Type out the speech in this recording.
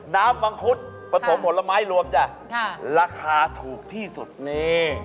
มังคุดผสมผลไม้รวมจ้ะราคาถูกที่สุดนี่